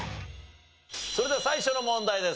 それでは最初の問題です。